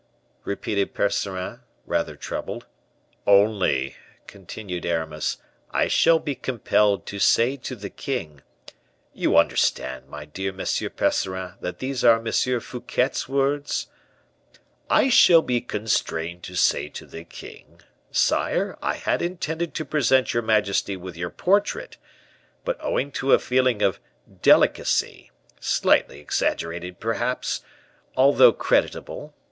'" repeated Percerin, rather troubled. "'Only,'" continued Aramis, "'I shall be compelled to say to the king,' you understand, my dear Monsieur Percerin, that these are M. Fouquet's words, 'I shall be constrained to say to the king, "Sire, I had intended to present your majesty with your portrait, but owing to a feeling of delicacy, slightly exaggerated perhaps, although creditable, M.